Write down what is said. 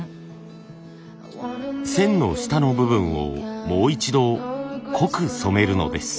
線の下の部分をもう一度濃く染めるのです。